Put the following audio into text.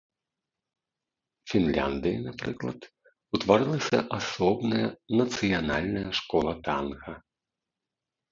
Фінляндыі, напрыклад, утварылася асобная нацыянальная школа танга.